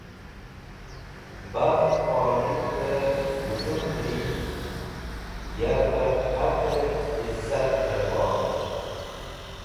Baf olimvẽ wezũmnẽri yavẽ qadrẽt izat dẽrkor.